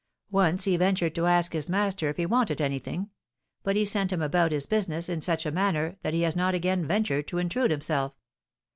Once he ventured to ask his master if he wanted anything; but he sent him about his business in such a manner that he has not again ventured to intrude himself."